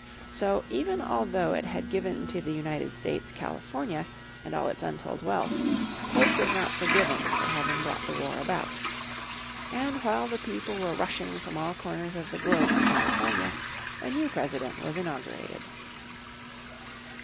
So even although it had given to the United States California, and all its untold wealth, Polk was not forgiven for having brought the war about. And while the people were rushing from all corners of the globe to California, a new President was inaugurated.